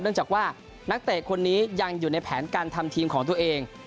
จากว่านักเตะคนนี้ยังอยู่ในแผนการทำทีมของตัวเอง